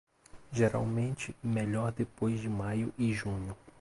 Geralmente melhor depois de maio e junho.